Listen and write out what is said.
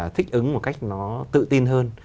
thích ứng một cách nó tự tin hơn